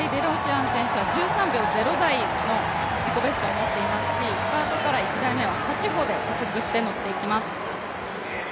１３秒０台の自己ベストを持っていますしスタートから１台目は８歩で加速して持っていきます。